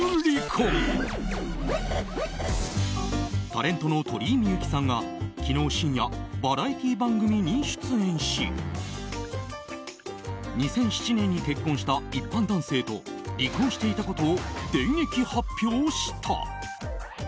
タレントの鳥居みゆきさんが昨日深夜バラエティー番組に出演し２００７年に結婚した一般男性と離婚していたことを電撃発表した。